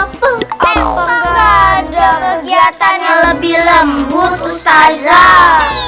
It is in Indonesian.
apakah ada kegiatannya lebih lembut ustadzah